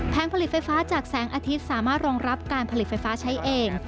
ผลิตไฟฟ้าจากแสงอาทิตย์สามารถรองรับการผลิตไฟฟ้าใช้เอง